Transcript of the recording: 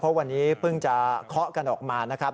เพราะวันนี้เพิ่งจะเคาะกันออกมานะครับ